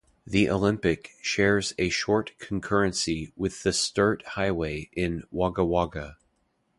The Olympic shares a short concurrency with the Sturt Highway in Wagga Wagga.